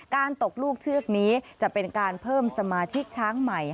ตกลูกเชือกนี้จะเป็นการเพิ่มสมาชิกช้างใหม่